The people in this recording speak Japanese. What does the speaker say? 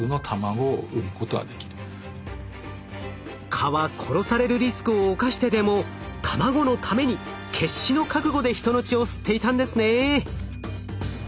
蚊は殺されるリスクを冒してでも卵のために決死の覚悟で人の血を吸っていたんですね。